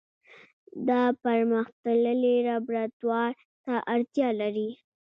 دا پرمختللي لابراتوار ته اړتیا لري.